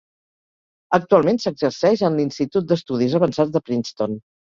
Actualment s'exerceix en l'Institut d'Estudis Avançats de Princeton.